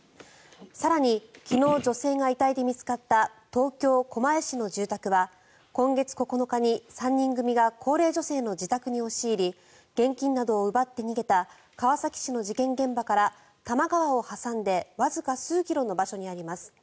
更に、昨日女性が遺体で見つかった東京・狛江市の住宅は今月９日に３人組が高齢女性の自宅に押し入り現金などを奪って逃げた川崎市の事件現場から多摩川を挟んでわずか数キロの先にあります。